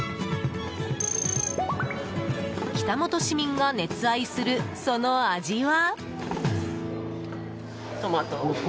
北本市民が熱愛する、その味は？